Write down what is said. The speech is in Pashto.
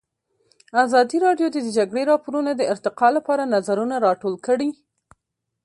ازادي راډیو د د جګړې راپورونه د ارتقا لپاره نظرونه راټول کړي.